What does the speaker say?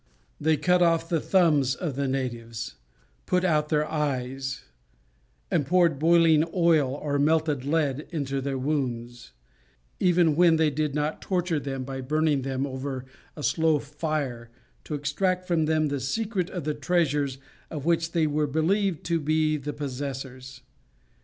They cut off the thumbs of the natives, put out their eyes, and poured boiling oil or melted lead into their wounds, even when they did not torture them by burning them over a slow fire to extract from them the secret of the treasures of which they were believed to be the possessors.